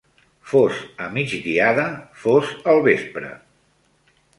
Fos a migdiada, fos al vespre